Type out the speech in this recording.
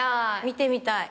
見てみたい。